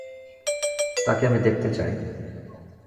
তাকে আমি দেখতে চাই।